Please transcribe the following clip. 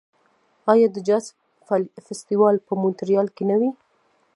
آیا د جاز فستیوال په مونټریال کې نه وي؟